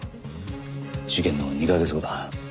事件の２カ月後だ。